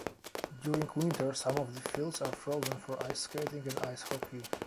During winter some of the fields are frozen for ice-skating and ice hockey.